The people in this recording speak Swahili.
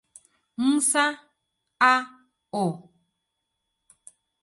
Musa, A. O.